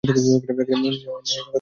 ন্যায়সঙ্গতভাবে মাপবে ও ওজন করবে।